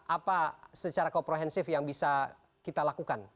apa secara komprehensif yang bisa kita lakukan